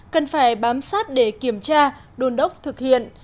cần phải bám sát để kiểm tra đôn đốc thực hiện